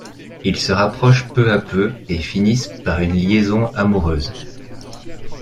Ils se rapprochent peu à peu et finissent par une liaison amoureuse.